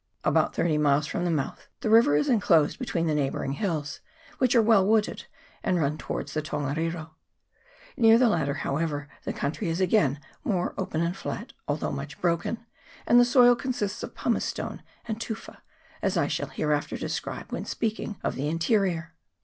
About thirty miles from the mouth the river is enclosed between the neighbouring hills, which are well wooded, and run towards the Ton gariro. Near the latter, however, the country is again more open and flat, although much broken ; and the soil consists of pumicestone and tufa, as I shall hereafter describe when speaking of the in terior.